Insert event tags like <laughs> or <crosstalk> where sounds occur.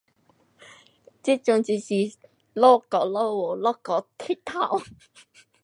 这阵就是一下落雨一下天晴太阳 <laughs>